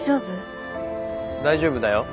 大丈夫だよ。